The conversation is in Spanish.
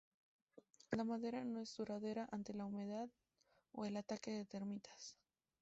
La madera no es duradera ante la humedad o el ataque de termitas.